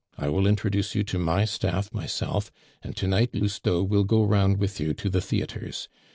I will introduce you to my staff myself, and to night Lousteau will go round with you to the theatres.